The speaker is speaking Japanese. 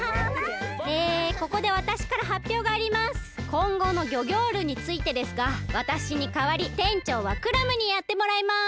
こんごのギョギョールについてですがわたしにかわりてんちょうはクラムにやってもらいます！